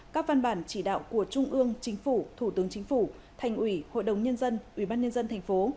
các văn bản chỉ đạo của trung ương chính phủ thủ tướng chính phủ thành ủy hội đồng nhân dân ủy ban nhân dân thành phố